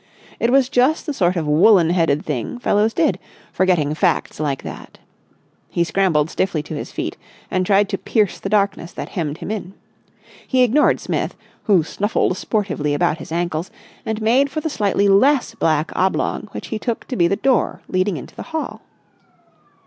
It was just the sort of woollen headed thing fellows did, forgetting facts like that. He scrambled stiffly to his feet and tried to pierce the darkness that hemmed him in. He ignored Smith, who snuffled sportively about his ankles, and made for the slightly less black oblong which he took to be the door leading into the hall.